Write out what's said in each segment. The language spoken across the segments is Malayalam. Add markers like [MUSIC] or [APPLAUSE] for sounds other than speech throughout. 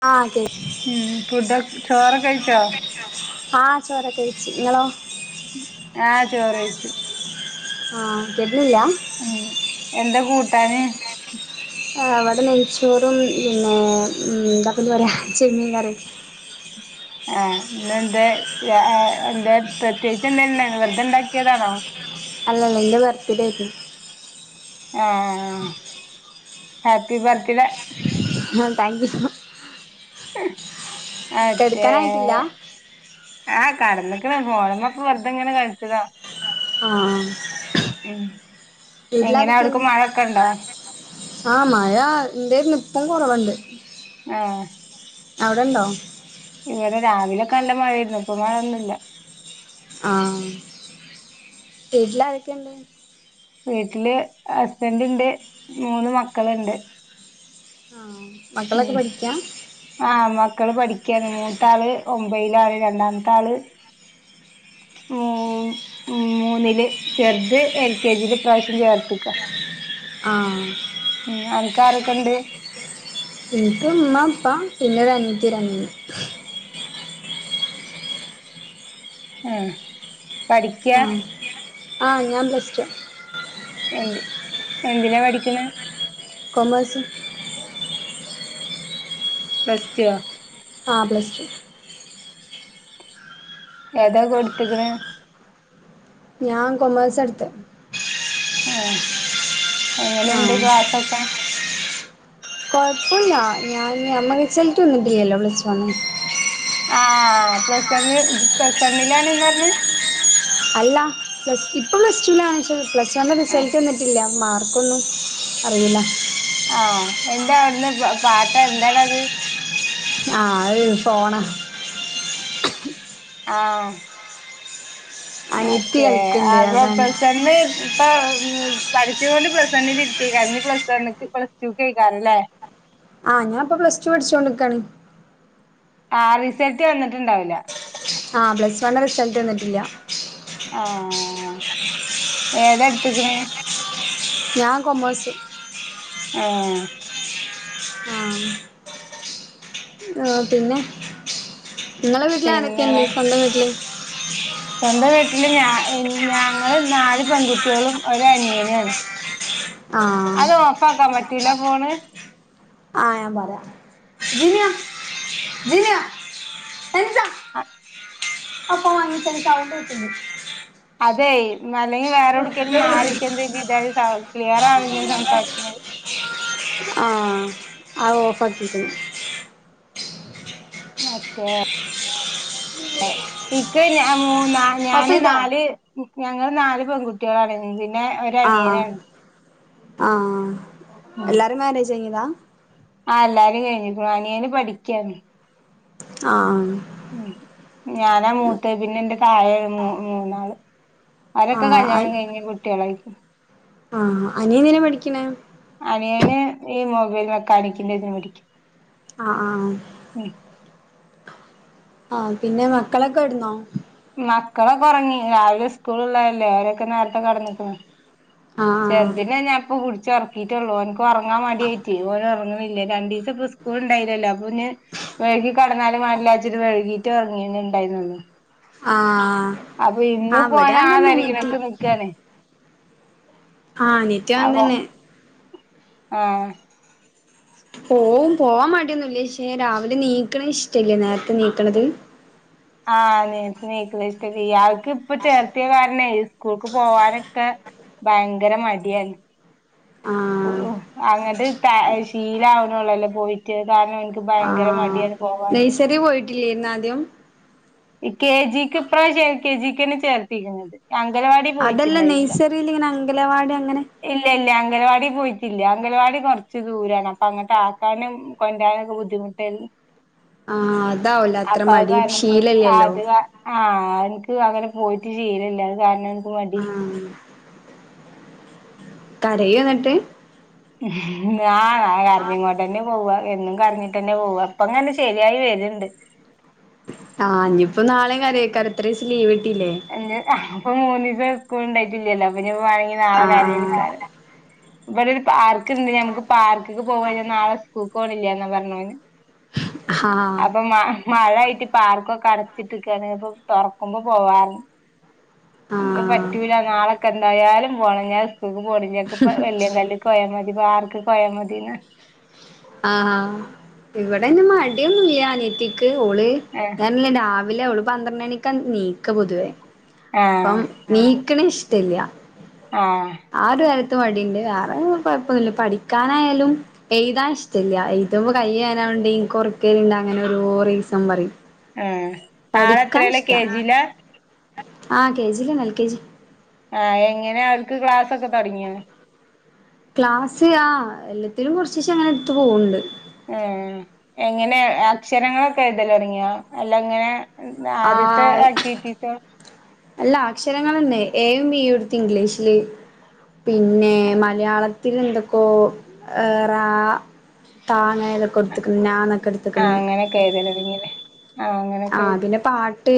ആ ഉം ഫുഡെ ചോറൊക്കെ കഴ്ച്ചോ? ആ ചോറൊക്കയ്ച്ച് ങ്ങളോ? ആ ചോറേയ്ച്ച് ആ [UNINTELLIGIBLE] ഉം എന്താ കൂട്ടാന്? വെടെ നെയ്യ്ച്ചോറും പിന്നെ ഇന്താപ്പനെന്ന് പറയ ചെമ്മീൻ കറിം ആ ഇന്നെന്തേ യ ആ ദെൻ പ്രത്യേകിച്ച് എന്തേണ്ടേയ്ന്നൊ വെറ്തെ ണ്ടാക്കിയതാണോ? അല്ലല്ല ന്റെ ബർത്ത്ഡേര്ന്നു ആ ഹാപ്പി ബർത്ത് ഡേ ആ താങ്ക് യൂ അതെ കെടുക്കാനായിട്ടില്ല ആ കടന്ന്ക്ക്ണ് ഫോണ്മ്മെ വെറ്തെ ങ്ങനെ കളിച്ചതാ. ആ ഉം എങ്ങനെ വീട്ടിലാരൊക്കെ അവിട്ക്ക് ണ്ട് മഴൊക്കെ ഇണ്ടോ ആ മഴ ഇണ്ടേര്ന്നു. ഇപ്പ കൊറവൊണ്ട്. ആ അവിടെണ്ടോ? ഇവടെ രാവിലെക്കെല്ല മഴേരുന്നു. ഇപ്പൊ മഴയൊന്നുല്ല. ആ വീട്ടിൽ ആരൊക്കെണ്ട്? വീട്ടില് ഹസ്ബന്റിണ്ട് മൂന്ന് മക്കള്ണ്ട്. ആ ഉം മക്കളൊക്കെ പഠിക്ക ആഹ് മക്കള് പഠിക്കാണ് മൂത്താള് ഒമ്പയ്ലാണ് രണ്ടാമത്താള് ഉം മൂന്നില് ചെറ്ത് എൽ കെ ജിൽ ഈ പ്രാവശ്യം ചേർത്തീക്ക. ആ ഉം അനക്കാരൊക്കെണ്ട്? ൻക്ക് മ്മ, പ്പ പിന്നെ ഒരു അനിയത്തി, അനിയൻ. ആ പഠിക്കാ ആ ഞാൻ പ്ലസ്സ്ടുവാ. എന്ത് എന്തിനാ പഠിക്ക്ണ് കോമേഴ്സ് പ്ലസ്സ് ടു ആ പ്ലസ്സ് ടു. ഏതാ കൊട്ത്ത്ക്ക്ണ്? ഞാ കൊമേഴ്സാ ടുത്തെ ആ എങ്ങനെണ്ട് ക്ലാസ്സൊക്കെ? കൊഴപ്പല്ലാ ഞാൻ മ്മ റിസൽറ്റ് വന്നിട്ടില്ലല്ലോ പ്ലസ് വൺ ആ പ്ലസ് വൺ പ്ലസ് വണ്ണിലാണ് ന്ന പറഞ് അല്ല പ്ലസ് ഇപ്പ പ്ലസ് ടുലാണ് പ്ലസ് വൺന്റെ ആഹ് റിസൾട്ട് വന്നിട്ടില്ല മാർ ക്കൊന്നും അറിയില്ല ആ എന്താ അവിടുന്ന് പാട്ടൊ എന്താണത് ആ അത് ഫോണ ആ അനിയത്തി മറ്റേ കളിക്കണ്ട് അപ്പൊ അതാണ് പ്ലസ് വൺ ഇപ്പൊ പഠിച്ചുകൊണ്ട് പ്ലസ് വണ്ണിൽ ഇരിക്ക ഞ്ഞി ഇ പ്ലസ് വണ്ണ് പ്ലസ് ടു കേക്കാരല്ലേ ആ ഞാൻ ഇപ്പൊ പ്ലസ് ടു പഠിച്ചോണ്ട്ക്കാണ് ആ റിസൾട്ട് വന്നിട്ടുണ്ടാവില്ല ആ പ്ലസ് വണ് റിസൾട്ട് വന്നിട്ടില്ല ആഹ ഏതടുത്തക്ക്ണ് ഞാൻ കൊമേഴ്സ് ഏഹ് മ്ം ആ പിന്നെ നങ്ങളെ വീട്ടില പിന്നെ ആനൊക്കെയന്ന്പ്പന്റെ വീട്ടില് [UNINTELLIGIBLE] [UNINTELLIGIBLE] ഞങ്ങള് നാല് പെൺകുട്ടയോളും ഒരനിയനുആണ് ആഹ് അത് ഓഫ് ആക്കാൻ പറ്റൂല പോണ് ആ ഞാ പറയാ ജിയ ജിയ എന്താ അ അപ്പൊ വാങ്ങിച്ചനി [UNINTELLIGIBLE] അതെ ന്ന അല്ലെങ്കിൽ വേറെ എവിടക്കേലും മാറിക്കെന്തെങ്കും ഇതായ വും ക്ലിയറാണ് ഞൻ സംസാരിക്കുന്നത് ആഹ അ ഓഫ് ആക്കീക്ണു മറ്റേ ഇക്ക ഞമ് നാല് ഓഫ് ഞാന് ചെയ്തോ നാല് ഞങ്ങള് നാല് പെൺകുട്ടികളണന്ന പിന്നെ ഒരു അനിയനാണ് ആ എല്ലാരും മാനേജ് കയിഞ്ഞതാ ആ എല്ലാരീം കഴിഞ്ഞികുണു അനിയന് പഠിക്കാണ് ആഹ് ഉ ഞാനാ മൂത്ത് പിന്നെ എന്റെ തായെ ഒരു മൂ മൂന്നാളും അവരൊക്കെ കല്യാണം കഴിഞ്ഞ് കുട്ടികളായി ആഹ അനിയനെന്നിനാ പഠിക്കണെ യന് ഈ മൊബൈൽ മെക്കാനിക്കിൻ്റ ത്തിന് പടിക്ക ആഹ് ആഹ് ആഹ് പിന്നെ മക്കളൊക്കെ ഇടുന്നോ മക്കളെക്കൊറങ്ങി രാവിലെ സ്കൂളള്ളതല്ലേ അവരൊക്കെ നേരത്തെ കടന്നക്ക്ണ് ആഹ് ചെറുതിനെ ഞാപ്പൊ കുടിച്ച ഉറക്കിട്ടൊള്ളു ഓൻക്ക് ഉറങ്ങാൻ മടിയായിട്ടേ ഓനറ പിന്നെ രണ്ടീസംപൊ ഇസ്കൂളിണ്ടായില്ലല്ലോ അപ്പൊ പിന്നെ വെഴ്കി കടന്നാലും മലാചിട്ട് വഴ്കീട്ട് ഉറങ്ങി ണ്ടായി ആഹ് അപ്പൊ ഇന്ന് ആഹ് ഇവിടെ പോന അതന്നെ അനിയത്തി ആതായിരിക്കനൊക്കെ നിക്കാനേ ആഹ് അനീറ്റ അപ്പൊ വന്നെനെ ആഹ് പോവും പോവാൻ മടിയൊന്നില്ല പക്ഷേ രാവിലെ നീക്കണ ഇഷ്ടല്ലേ നേരത്തെ നീക്കണത് [INAUDIBLE] ആഹ നീക്ക്ണ നീക്ക്ണ ഇഷ്ടലൈയ് ഇയാൾക്ക് ഇപ്പ ചേർത്തിയ കാരണെയ് സ്കൂൾക്ക് പോവാനൊക്കെ ഭയങ്കര മടിയായി പൂ ആഹ് അങ്ങനത്തെ ശീലാവണെള്ളല്ലോ പോയിട്ട് ക്ക് ഭയങ്കര മടിയാണ് പോവാന് ഇല്ലേയിരുന്ന ആദ്യം കെ ജിക്ക് ഇപ്രാവശ്യം എൽ കെ ജിക്കെനെ ചേർത്തിക്ണത് അംഗലവാടി അതല്ല പോയിട്ടുണ്ടായിരുന്നില്ല നെയ്സറിൽ ഇങ്ങനെ അംഗലവാടി അങ്ങനെ ഇല്ല ഇല്ല അംഗൽവാടി പോയിട്ടില്ല അംഗൽവാടി കൊറച്ച് ദൂരാണ് അപ്പൊ അങ്ങട്ടാക്കാനും കൊൻ്റാനൊക്കെ ബുദ്ധിമുട്ടെല ആഹ് അതാവുലെ അത്ര മടി ശീല പോയിട്ട് അത് ആ എനിക്ക് അങ്ങനെ പോയിട്ട് ശീലില്ല അത് കാരണം മടി ആഹ് കരയ എന്നിട്ട് ആ കരഞ്ഞ്ങ്ങോണ്ടെന്നെ പോവ എന്നും കഞ്ഞിട്ട്ന്നെ പോവ ഇപ്പൊങ്ങനെ ശെരിയായി വര്ണ്ട് ആഹ് ഇനിപ്പ നാളെ കരയെക്കരം ഇത്രീസം ലീവ് കിട്ടിയില്ലേ അ അപ്പൊ മൂന്നീസം സ്കൂള് ഉണ്ടായിട്ടില്ലല്ലോ അപ്പ ഇനി വേണങ്ങി ന്നാളെ ആഹ് കരേര്ക്കാരം ഇവടൊരു പാർക്ക്ണ്ട് ഞങ്ങ്ക്ക് പാർക്ക്ക് പോവ ഞ്ഞാ നാളെ സ്കൂള്ക്ക്‌ പോണില്ല്യാന്ന പറഞ് ആഹ് അതൊ മാ മഴ ആയിറ്റ് പാർക്കൊക്കെ അടച്ചിട്ട്ക്കാണ് അപ്പം തൊറക്കുമ്പ പോവാർഞ് എൻക്ക് ആഹ് പറ്റൂല നാളൊക്കെന്തായാലും പോണം ഞാൻ സ്കൂള്ക്ക്‌ പോണി ഇപ്പ വെല്ല്യ കല്ല്ക്കോയാമതി പാർക്ക്കോയാമതിന്നാ ആഹാ ഇവിടയ്ന് മടിയൊന്നുല്ല്യാ അനിയത്തിക്ക് ഓള് ആഹ് ഞാനല്ലരാ വിലെ അവള് പന്ത്രണ്ടണിക്ക നീക്ക പൊതുവേ ആഹ് അപ്പം നീക്കണേ ഇഷ്ട്ടല്ല്യ ആഹ മടിണ്ട് വെറോഴ് കൊഴപ്പോല്ല പഠിക്കാനായാലും എയ്താഷ്ട്ടാ ച്ചെല്ല്യ എഴ്തുമ്പ കൈഏനാവ്ണ്ടി എനിക്കൊറക്കലണ്ട് അങ്ങനെ ഒരോ രീസം പറയും ആഹ് പഠിക്കാൻ ആളെത്രേലാ ഇഷ്ട്ടാ കെ ജിലാ ആഹ കെ ജി ലെന്നെ എൽ കെജി ആ എങ്ങനെ അവർക്ക് ക്ലാസ്സൊക്കെ തൊടങ്ങ്യാ ക്ലാസ് ആ എല്ലത്തിലും കൊറച്ചീഷെ അങ്ങനെടുത്ത് പോവ്ണ്ട് ഏ എങ്ങനെ അക്ഷരങ്ങളൊക്കെ എഴ്തലൊടങ്ങ്യ അല്ല എങ്ങനെ ആ ആദ്യത്തെ ആക്ടിവിറ്റീസൊ അല്ല അക്ഷരങ്ങളെന്നെ ഏയും ബിയും ഇടുത്ത് ഇംഗ്ലീഷില് പിന്നെ മലയാളത്തില് എന്തൊക്കോ ഏ റാ താന്നെഴ്തി കൊടുത്ത്ക്ക്‌ണ് നാ ന്ന് ആഹ് അങ്ങനൊക്കെ എഴ്തലൊടങ്ങീലെ ആ പിന്നെ പാട്ട്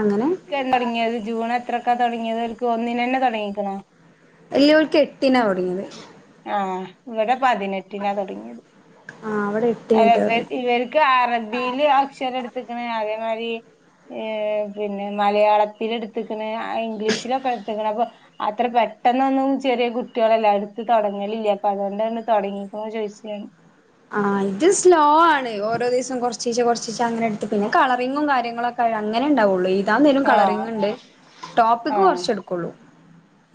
അങ്ങനെ എക്ക് തൊടങ്ങിയത് ജൂൺ എത്രക്കാ തൊടങ്ങിയത് അവക്ക് ഒന്നിന ന്നെ തൊടങ്ങിക്ക്ണോ ഇല്ല ഉർക്ക് എട്ടിനാ തൊടങ്ങിയത് ആണോ ഇവിടെ പതിനെട്ടിനാ തൊടങ്ങിയത് ആ അവിടെ അല്ല എട്ടിനിട്ടാ ഇവര് തൊടങ്ങിയെ ഇവര്ക്ക് അറബിയില് അക്ഷരട്ത്ത്ക്ക്‌ണ് അ മാരി ഏ പിന്നെ മലയാളത്തിലെട്ത്ത്ക്ക്‌ ണ് അ ഇംഗ്ലീഷിലൊക്കെ ഇങ്ങനപ്പൊ അത്ര പെട്ടെന്നൊന്നും ചെറിയ കുട്ട്യോളെല്ലാരും ഇത് തൊടങ്ങലില്ല അപ്പ അതൊണ്ടാണ് തൊടങ്ങിക്ക്‌ണോ ചോയ്ച്ച് ഞാന് ആഹ ഇത് സ്ലോ ആണ് ഓരോ ദിവസം കൊറച്ചീഷെ കൊറച്ചീഷെ അങ്ങനെ എടുത്ത്ക്ക്‌ പിന്നെ കളറിങ്ങും കാര്യങ്ങളൊക്കെ പ്പഴ് അങ്ങനെ ഇണ്ടാവൊള്ളൂ എയ്താന്നേരം ആഹ് കളറിങ്ണ്ട് ട്ടോപ്പിക്ക് ആഹ് കൊറച്ചെടുക്കൊള്ളു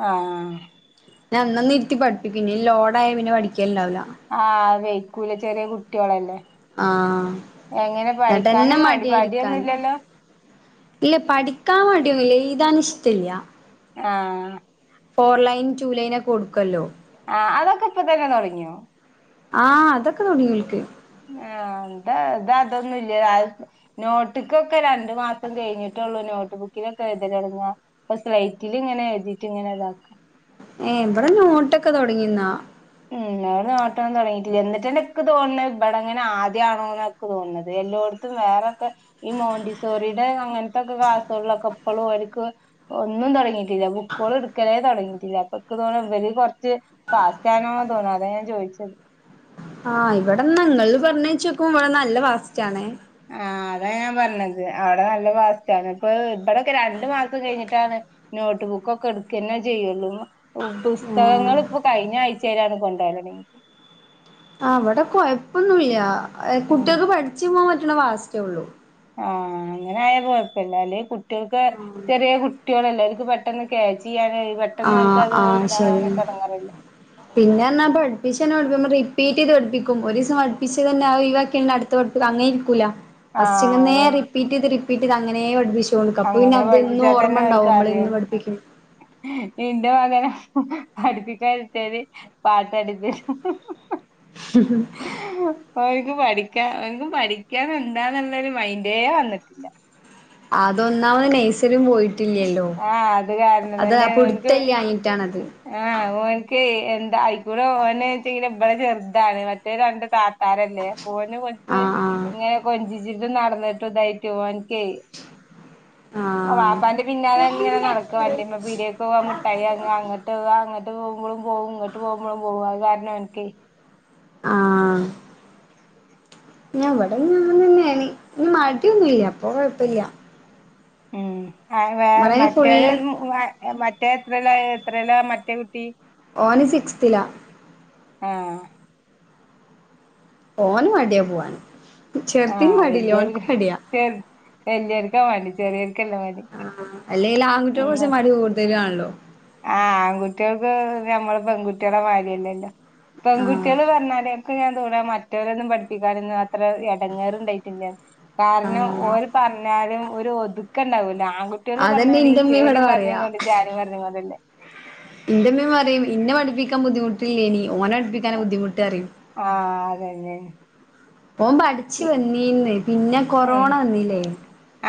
ആഹ് ത്തി പട്പ്പിക്കിന് ലോഡായ പിന്നെ പഠിക് ആ വെയ്ക്കൂല ചെറിയ കുട്ട്യോളല്ലേ ആഹ എന്ന്ട്ടന്നെ പഠിക്കാനും മടി മടിയായിരിക്കാണ് മടിയൊന്നുംല്ലല്ലോ ഇല്ല പഠിക്കാൻ മടിയൊന്നില്ല എയ്താനിഷ്ട്ടില്ല്യ ആഹ ഫോർ ലൈൻ റ്റൂലൈനൊ കൊടുക്കല്ലോ അ അതൊക്കെ ഇപ്പ തന്നെ തൊടങ്ങിയോ ആഹ് അതൊക്കെ തൊടങ്ങി ഇവ്ര്ക്ക് ആ എന്താ ഇത അതൊന്നില്ല്യാ നോട്ട്ക്കൊക്കെ രണ്ട് മാസം കയ്ഞ്ഞിട്ട് നോട്ട്ബുക്കിലൊക്കെ എഴു തലോടുങ്ങാ. ഇപ്പം സ്ലൈറ്റിൽ ഇങ്ങനെ എഴുതിട്ട് ഇങ്ങനെ ഇതാക്കാം. ഏവിടെ നോട്ടൊക്കെ തുടങ്ങിന്നാ. എന്ന ഇവിടെ നോട്ട്ന്ന് തുടങ്ങിട്ടില എന്നിട്ട് ഇക് തോന്നുന്നത്. ഇവിടെങ്ങെ ആദ്യം ആണോ എന്നൊക്കെ തോന്നത്. എല്ലോടത്തും വേറെക്കെ ഈ മോണ്ടിസോറടെ അങ്ങനത്തെക്കെ. ക്സ്സുകളിലൊക്കെ ഇപ്പോളും അവർക്ക് ഒന്നും തുടങ്ങിയിട്ടില്ല. ബുക്കുകുകളും എടുക്കലെ തുടങ്ങിയിട്ടില്ല. അപ്പൊക്ക് തോന്ന് ഇവര് കുറച്ച് പാസ്റ്റാണ് തോന്നുന്ന അത ജോയിച്ചത്. ആഹ ഇവിടെ ഞങ്ങള് പറഞ്ഞച്ചോക്കും ഇവിടെ നല്ല ഫാസ്റ്റ് ആണ്. ആ അതാ ഞാൻ പറഞ്ഞത് അവിടെ നല്ല വാസ്റ്റാണ് ഇപ്പ ഇവടെക്കെ രണ്ടു ആഹ് പുസ്തകങ്ങൾ ഇപ്പൊ കഴിഞ്ഞ ആഴ്ചയിലാണ്. കൊണ്ടാവല് തുടങ്ങീക്കണത്. അവിടെ കൊഴപ്പൊന്നുമില്ല ഉം കുട്ടികൾക്ക് പഠിച്ചേ പോകാൻ പറ്റുന്ന വാസ്റ്റേ ഉള്ളു. ആഹ അങ്ങനെ ആയ കൊഴപ്പല്ല അല്ല കുട്ടികൾക്ക് ചെറിയ കുട്ടികളല്ലേ. അവർക്ക് പെട്ടെന്ന് കേച്ചി ആഹ ആഹ ശരി എടങ്ങേറല്ലേ പിന്നൊ പഠിപ്പിച്ച [UNINTELLIGIBLE] റിപ്പീറ്റ് ചെയ്ത് പഠിപ്പിക്കും ഒരു ദിവസം പഠപ്പിച്ചച്ച് തന്നെ ഈവാക്കി അടു പഠിപ്പിക്ക അങ്ങനെ ഇരിക്കൂില്ല. ഫസ്ങ്ങനെ ആഹ് റിപ്പീറ്റ് ചെയ്ത് റിപ്പീറ്റ് ചെയ്ത് അങ്ങനെപഠിപ്പിചു [UNINTELLIGIBLE] അപ്പ പിന്നെ അങ്ങനെ അത് എന്നും പഠിപ്പിച്ചാ തന്നെ ഓർമ്മ ഉണ്ടാവും നമ്മളന്ന് പഠിപ്പിക്കും. നിന്റെ മകന് പഠപ്പിക്കൻ ഇരുത്തിയാല് പാട്ടുപാടി തരും. [UNINTELLIGIBLE] പഠക്ക് ഓന്ക്ക് പഠിക്കൻ എന്താന്നുള്ളരു മൈന്ഡേ വന്നിട്ടില്ല. അതൊന്നാമത് നെയ്സറി പോയിട്ടില്ലല്ലോ ആഹ് അത് കാരണം അത് അ പുടുത്തല്ലാഞ്ഞിട്ടാണത്. ആഹ ഓനിക്ക് എന്തയിക്കൂടെ ഒന്ന് വെച്ചില ചെറുതാണ് മറ്റേ രണ്ട് താത്താരല്ലേ. ഓനെകൊച്ച് ആഹ് ഇങ്ങനെ കൊഞ്ചിച്ചിട്ട് നടന്നിട്ട് ഇതായിട്ട് ഓന്ക്ക്. എ ആഹ് ആ ആഹ് വപ്പാന്റെ പിന്നലെ അങ്ങനെ നടക്കും. വണ്ടിമേ പിഡിയോക്ക് പോവാ മുട്ടായി വങ്ങ അങട്പോവാ. അങ്ങോട്ട് പോകുമ്പോയും പോകും ഇങ്ങോട്ട് പോകുമ്പോയും പോകും ആഹ ഞൻ ഇവിടന്നന്ന് [UNINTELLIGIBLE] ഇനി മടിയൊന്നുല്ല അപ്പ കൊഴപ്പമില്ല. ഉം വേറെ മറ്റേരു ഫുള്ള് മറ്റേ എത്രല്ല എത്രയിലാ മറ്റേ കുട്ടി. ഓനി സിക്സ്ത്തിലാ. ആഹ ഓന് മടിയാ പോവാൻ. ആഹ വലിയൊർക്ക് ചെ വല്യർക്കാ മടി ചെറിയർക്കല്ലാ മടി [INAUDIBLE] അല്ലെങ്കിൽ ആൺകുട്ടികൾക്ക്. കുറച്ച് മടി കൊടുത്തുകയാണല്ലോ. ആഹ ആൺകുട്ടികൾക്ക് ഞമ്മള് പെൺകുട്ടികള മാരില്ലല്ലോ? ആഹ് പെൺകുട്ടികള് പറഞ്ഞാല ക്കെ ഞാൻ തോന്ന മറ്റവരന്നും പഠിക്കാനൊന്ന അത്ര ഇടങ്ങേറണ്ടായിട്ടില്ല. കാരണം പറഞ്ഞാലും ഒരു ഒതുക്ക ഉണ്ടാവൂല ആൺകുട്ടികള് അതന്നെ പറഞ്ഞാല് ഈ ഇന്റെമ്മ കേറി ഇവിടെ മറിഞ്ഞുകൊണ്ട് ചാടി മറിഞ്ഞു കൊണ്ടല്ലെ. ഇന്റെഇമമിം പറയും ഇന്നെ പഠിപ്പിക്കാൻ ബുദ്ധിമുട്ടില്ലേയ്ന്. ഓനോ പഠിപ്പിക്കാന ബുദ്ധിമുട്ട് പറിയും. ആഹ് അതന്നെ ഒന് പഠിച്ചു ഇ വന്നീന്ന് പിന്നെ ഉം കൊറോണ വന്നില്ലേ?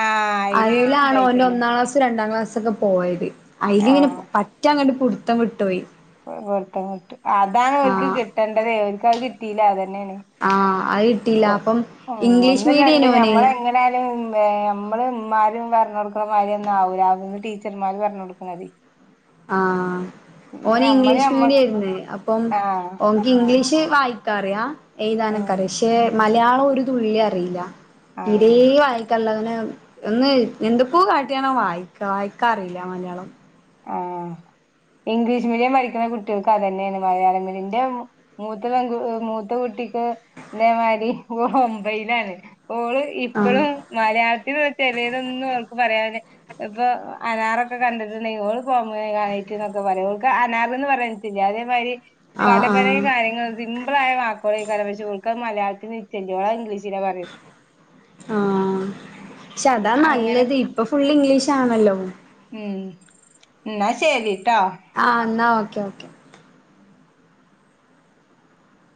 ആഹ് അയില് അയലാണോന്റെ ഇണ്ടായിട്ടുണ്ട് ഒന്നാം ക്ലാസ് രണ്ടാം ക്ലാസ്സ്. പോയത് അയില് പറ്റാ അങ്ങട്ട് പിടുത്തം വിട്ടുപോയി. പുത്തട്ട് അതാണ് അവർക്ക് ആഹ് കിട്ടേണ്ടത് അവർക്ക് അത് കിട്ടില്ല അത- ആഹ് അത് കിട്ടിയില്ല [UNINTELLIGIBLE] അപ്പം ഇംഗ്ലീഷ് ഒന്നും മീഡിയേനു രണ്ടും ഓന് നമ്മള് എങ്ങനാലും [INAUDIBLE] നമ്മള് ഉന്മാരും പറഞ്ഞ കൊടുക്കുന്നമാര് ഒന്നും ആവൂല്ലന്ന് ടീച്ചർമാര് പറഞ്ഞ കൊടുക്കണത്. ആഹ പിന്നെ ഓന് നമ്മള് ഇംഗ്ലീഷ് ഞമ്മ മീഡിയം ആയിരുന്നു. അപ്പം ആഹ് ഓനക്ക് ഇംഗ്ലീഷ്. വായിക്കാറിയ, ഉം എയ്താനൊക്കറിയ, പഷേ മലയാളം ഒരു തുള്ളി, അറിയില്ല തീരേ, ആഹ് വായ്ക്കൻല്ലങ്ങനേ ഒന്ന് എന്ത്പ്പൂ കാട്ട്യാണം വായ്ക്കാ വായ്ക്കാ അറിയില്ല മലയാളം ആഹ് ഇംഗ്ലീഷ് മീഡിയം പഠിക്കണ കുട്ട്യേൾക്ക് അതന്നെണ് മലയാളം മീഡിന്റ്റം മൂത്തപെങ്കു മൂത്തകു കുട്ടിക്ക് തേമാരി ഓഒമ്പയ്ലാണ് ഓള് ആഹ് ഇപ്പളും മലയാളത്തിലൊ- ഛെലേതോന്നും അവൾക്ക്‌ പറയാപറ്റ്ല ഇപ്പൊ അനാറൊക്കെ കണ്ട്ട്ട് ണ്ടെങ്കിഓള് പോമൊഗ്രനേറ്റ് ന്നൊക്കെ പറയും ഓൾക്ക്അനാറ്ന്ന് പറയാകിട്ടില്ല അതേമാരി ആഹ് പലപലേ ആഹ് കാര്യങ്ങൾ സിമ്പ്ളായ വാക്കുകളേയ്ക്കാരം പഷെ ഇവൾക്കത് മലയാളത്തില് ചെല്ലുവായ് ഇംഗ്ലീഷ് ഷിലപറയു ഷാ അതാ നല്ലത്. ഇപ്പൊ ഫുള്ള് ഇംഗ്ലീഷാണല്ലോ. ഉം ന്നാ ശെരി. ആഹ് ന്നാ ഓക്കെ ഓക്കെ.